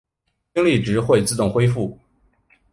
精力值会自动恢复。